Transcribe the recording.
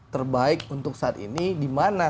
terbaik untuk saat ini dimana